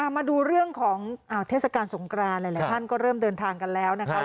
มาดูเรื่องของเทศกาลสงกรานหลายท่านก็เริ่มเดินทางกันแล้วนะคะ